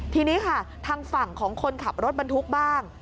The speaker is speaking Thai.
ทีนี้ค่ะทางฝั่งของคนขับรถบรรทุกบ้าง